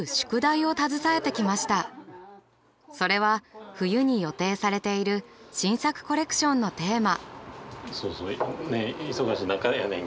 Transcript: それは冬に予定されている新作コレクションのテーマ。